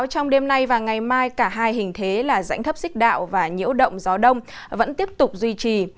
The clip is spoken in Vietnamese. trong đêm nay và ngày mai cả hai hình thế là rãnh thấp xích đạo và nhiễu động gió đông vẫn tiếp tục duy trì